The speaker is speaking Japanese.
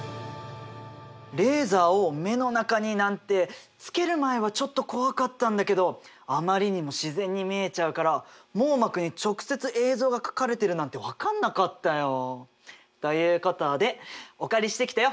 レーザを目の中になんてつける前はちょっと怖かったんだけどあまりにも自然に見えちゃうから網膜に直接映像が描かれてるなんて分かんなかったよ。ということでお借りしてきたよ